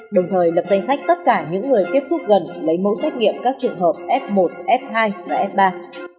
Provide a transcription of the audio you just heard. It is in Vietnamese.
đồng thời lập danh sách tất cả những người tiếp xúc gần lấy mẫu xét nghiệm các trường hợp f một f hai và f ba